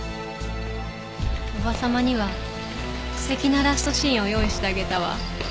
叔母様には素敵なラストシーンを用意してあげたわ。